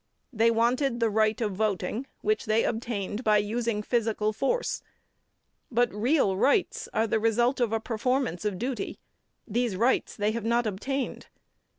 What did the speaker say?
They wanted the right of voting, which they obtained by using physical force. But real rights are a result of performance of duty; these rights they have not obtained.